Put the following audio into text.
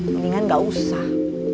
mendingan gak usah